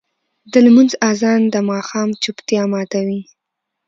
د لمونځ اذان د ماښام چوپتیا ماتوي.